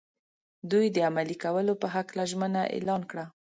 دوی د عملي کولو په هکله ژمنه اعلان کړه.